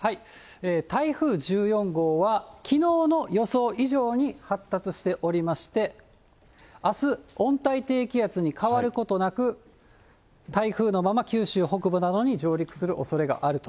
台風１４号は、きのうの予想以上に発達しておりまして、あす、温帯低気圧に変わることなく、台風のまま、九州北部などに上陸するおそれがあると。